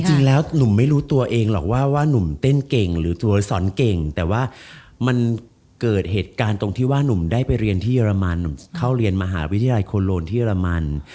จริงแล้วหนุ่มไม่รู้ตัวเองหรอกว่าว่านุ่มเต้นเก่งหรือตัวสอนเก่งแต่ว่ามันเกิดเหตุการณ์ตรงที่ว่านุ่มได้ไปเรียนที่เรมันเข้าเรียนมหาวิทยาลัยโคโลนที่เรมัน